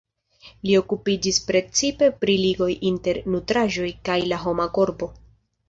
Li okupiĝis precipe pri ligoj inter nutraĵoj kaj la homa korpo.